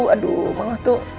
aduh mama tuh